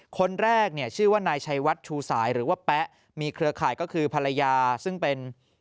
คนแรกเนี่ยชื่อว่านายชัยวัดชูสายหรือว่าแป๊ะมีเครือข่ายก็คือภรรยาซึ่งเป็น